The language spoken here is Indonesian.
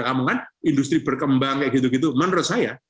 kan industri berkembang menurut saya